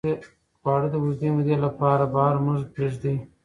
خواړه د اوږدې مودې لپاره بهر مه پرېږدئ.